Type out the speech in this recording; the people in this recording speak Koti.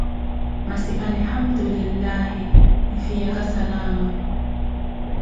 Masi alihandu linlahi, niifhiyaka salama.